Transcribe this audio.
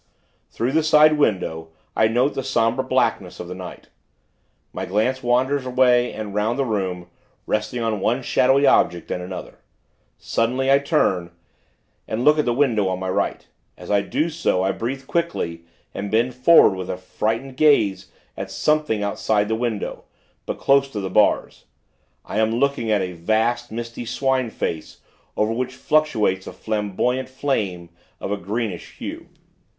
Through the side window, I note the somber blackness of the night. My glance wanders away, and 'round the room; resting on one shadowy object and another. Suddenly, I turn, and look at the window on my right; as I do so, I breathe quickly, and bend forward, with a frightened gaze at something outside the window, but close to the bars. I am looking at a vast, misty swine face, over which fluctuates a flamboyant flame, of a greenish hue.